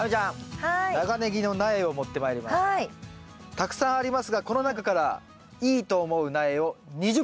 たくさんありますがこの中からいいと思う苗を２０本選んで下さい。